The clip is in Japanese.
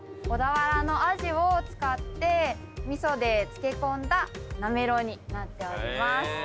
小田原のアジを使って味噌で漬け込んだなめろうになっております。